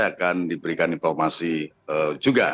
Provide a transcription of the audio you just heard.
akan diberikan informasi juga